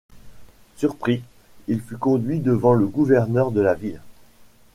Surpris, il fut conduit devant le gouverneur de la ville.